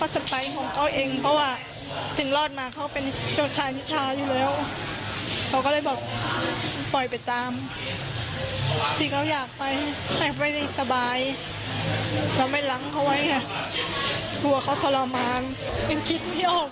จะให้สะดวกจะคิดไม่ออกเลยนะครับ